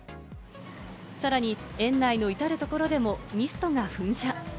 さらに園内の至るところでもミストが噴射。